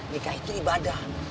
nikah itu ibadah